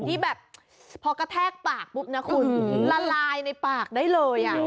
ที่แบบพอกระแทกปากปุ๊บนะคุณละลายในปากได้เลย